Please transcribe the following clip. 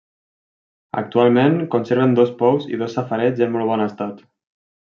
Actualment conserven dos pous i dos safareigs en molt bon estat.